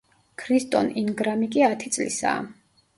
ქრისტონ ინგრამი კი ათი წლისაა.